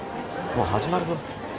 もう始まるぞ。